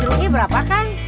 cerugih berapa kang